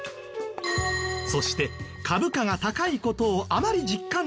そして株価が高い事をあまり実感できませんよね。